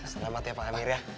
selamat ya pak amir ya